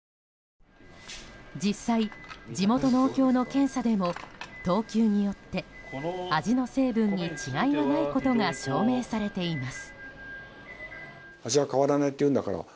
実際、地元農協の検査でも等級によって味の成分に違いがないことが証明されています。